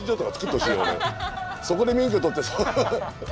そこで免許取ってさ。